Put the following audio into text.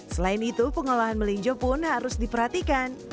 selain itu pengolahan melinjo pun harus diperhatikan